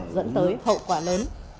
dẫn tới hậu quả lớn